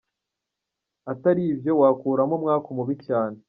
Atari ibyo, wakuramo umwaku mubi cyane!